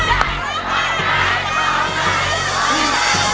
ร้องได้สิ